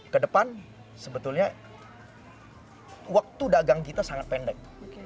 ke depan sebetulnya waktu dagang kita sangat pendek